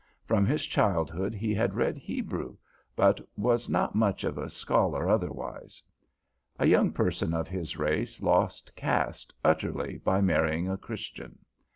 From his childhood he had read Hebrew, but was not much of a scholar otherwise. A young person of his race lost caste utterly by marrying a Christian.